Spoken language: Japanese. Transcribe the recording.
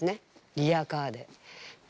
リアカーで。